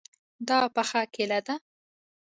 دا پخه کیله ده